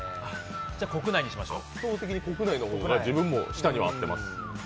じゃあ国内にしましょう。